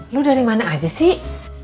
lu dari mana aja sih